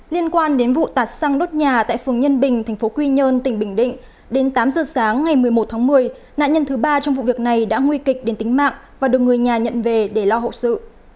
liên quan đến vụ tạt xăng đốt nhà tại phường nhân bình tp quy nhơn tỉnh bình định đến tám giờ sáng ngày một mươi một tháng một mươi nạn nhân thứ ba trong vụ việc này đã nguy kịch đến tính mạng và được người nhà nhận về để lo hậu sự